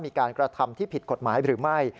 มีการกระทำที่ผิดกฎหมายหรือไม่